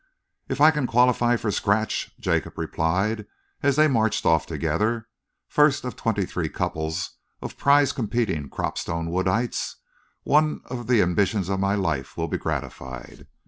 "If I can qualify for scratch," Jacob replied, as they marched off together, first of twenty three couples of prize competing Cropstone Woodites, "one of the ambitions of my life will be gratified."